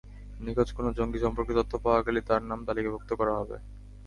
নিখোঁজ কোনো জঙ্গি সম্পর্কে তথ্য পাওয়া গেলেই তাঁর নাম তালিকাভুক্ত করা হবে।